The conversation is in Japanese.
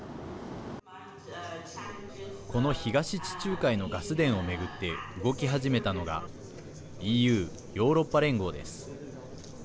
この東地中海のガス田を巡って動き始めたのがＥＵ＝ヨーロッパ連合です。